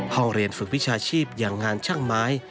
ห้องเรียนฝึกวิชาชีพอย่างงานช่างไม้